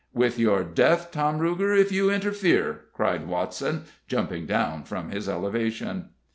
"With your death, Tom Ruger, if you interfere!" cried Watson, jumping down from his elevation.